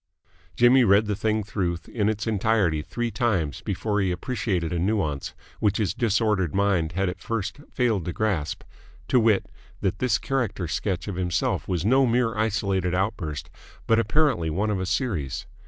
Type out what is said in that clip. Jimmy read the thing through in its entirety three times before he appreciated a nuance which his disordered mind had at first failed to grasp to wit, that this character sketch of himself was no mere isolated outburst but apparently one of a series.